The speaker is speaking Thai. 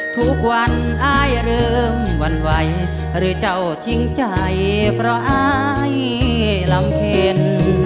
ทุกวันอ้ายเริ่มหวั่นไหวหรือเจ้าทิ้งใจเพราะอายลำเพ็ญ